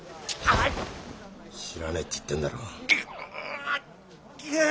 知らねえって言ってんだろう。